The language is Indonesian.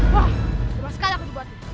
mas ketua dibuat